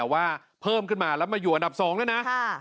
ว่าเพิ่มขึ้นมาแล้วมาอยู่อันดับ๒แล้วนะ